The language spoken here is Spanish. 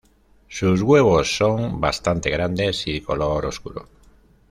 Sus huevos son bastante grandes y de color oscuro.